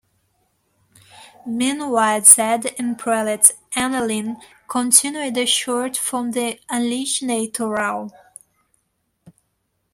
Meanwhile, Zedd and Prelate Annalina continue their search for the unleashed Nathan Rahl.